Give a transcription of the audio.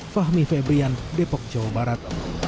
fahmi febrian depok jawa barat